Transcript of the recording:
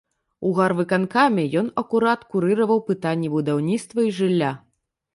У гарвыканкаме ён акурат курыраваў пытанні будаўніцтва і жылля.